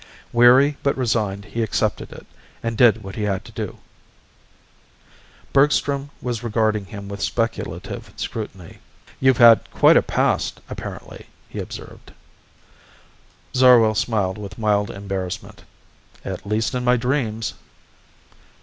Weary but resigned he accepted it, and did what he had to do ... Bergstrom was regarding him with speculative scrutiny. "You've had quite a past, apparently," he observed. Zarwell smiled with mild embarrassment. "At least in my dreams."